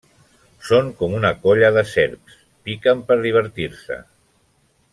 Són com una colla de serps. Piquen per divertir-se.